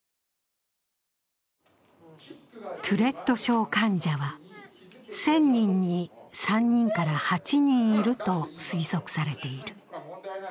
トゥレット症患者は１０００人に３人から８人いると推測されている。